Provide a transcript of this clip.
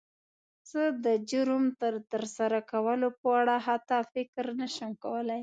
زه د جرم د تر سره کولو په اړه حتی فکر نه شم کولی.